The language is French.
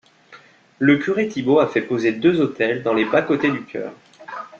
Le curé Thibault a fait poser deux autels dans les bas-côtés du chœur.